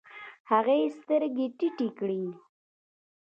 هغې سترګې ټيټې کړې.